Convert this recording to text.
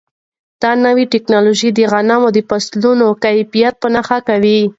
دا نوې ټیکنالوژي د غنمو د فصلونو کیفیت په نښه کوي.